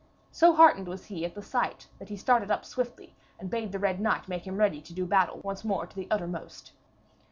So heartened was he at the sight that he started up swiftly, and bade the Red Knight make him ready to do battle once more to the uttermost.